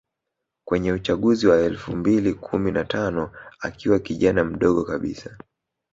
kwenye uchaguzi wa elfu mbili kumi na tano akiwa kijana mdogo kabisa